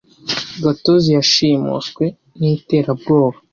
Gatozi yashimuswe n’iterabwoba.